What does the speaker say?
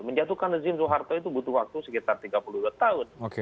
menjatuhkan rezim soeharto itu butuh waktu sekitar tiga puluh dua tahun